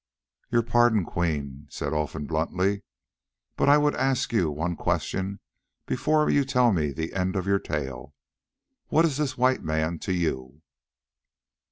"Your pardon, Queen," said Olfan bluntly, "but I would ask you one question before you tell me the end of your tale. What is this white man to you?"